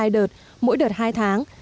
một mươi hai đợt mỗi đợt hai tháng